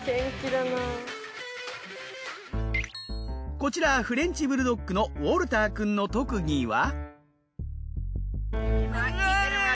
こちらフレンチブルドッグのウォルターくんの特技は。